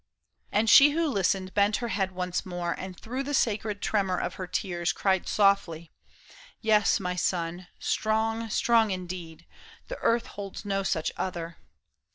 And she who listened bent her head once more, And through the sacred tremor of her tears Cried softly, " Yes, my son, strong, strong indeed ; The earth holds no such other."